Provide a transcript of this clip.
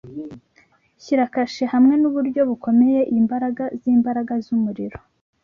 Shyira kashe hamwe nuburyo bukomeye iyi mbaraga zimbaraga zumuriro